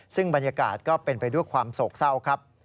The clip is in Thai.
ซึ่งบรรยากาศก็เป็นไปด้วยความโศกเศร้าครับ